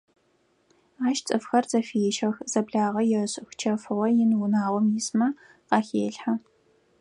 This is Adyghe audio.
Ащ цӏыфхэр зэфещэх, зэблагъэ ешӏых: чэфыгъо ин унагъом исмэ къахелъхьэ.